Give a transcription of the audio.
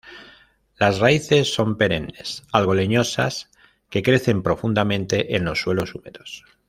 Las raíces son perennes algo leñosas que crecen profundamente en los suelos húmedos.